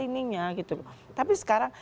ininya gitu tapi sekarang